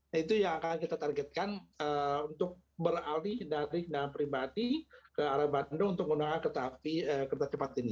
nah itu yang akan kita targetkan untuk beralih dari kendaraan pribadi ke arah bandung untuk menggunakan kereta api kereta cepat ini